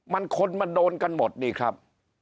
มันคนมันโดนกันหมดนี่ครับ